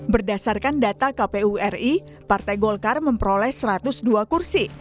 berdasarkan data kpu ri partai golkar memperoleh satu ratus dua kursi